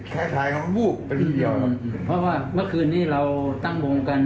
แค่ถ่ายของวูบไปดีเดียวครับเพราะว่าเมื่อคืนนี้เราตั้งวงกัน